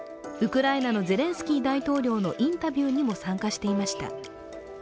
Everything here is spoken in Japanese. ウクライナのゼレンスキー大統領のインタビューにも参加していました。